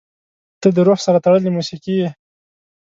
• ته د روح سره تړلې موسیقي یې.